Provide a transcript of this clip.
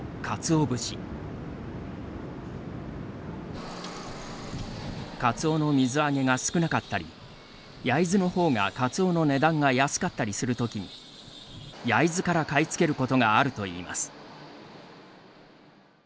カツオの水揚げが少なかったり焼津のほうが、カツオの値段が安かったりするときに焼津から買い付けることがあるといいます。